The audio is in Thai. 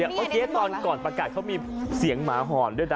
โอเคตอนก่อนประกาศเขามีเสียงหมาหอนด้วยนะ